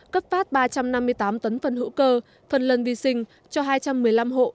cấp phát ba trăm năm mươi tám tấn phần hữu cơ phần lần vi sinh cho hai trăm một mươi năm hộ